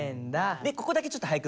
でここだけちょっと速く。